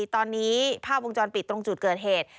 ตอนนี้ภาพวงจรปิดตรงจุดเกิดเหตุ